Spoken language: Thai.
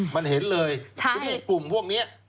มันเห็นเลยกลุ่มพวกนี้